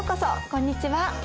こんにちは。